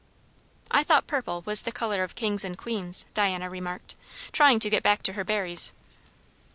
"I thought purple was the colour of kings and queens," Diana remarked, trying to get back to her berries.